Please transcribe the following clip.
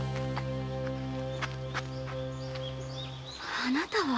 あなたは！